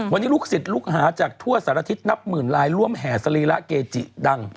วันนี้ลูกศิษย์ลูกหาจากทั่วสารทิศนับหมื่นลายร่วมแห่สรีระเกจิดัง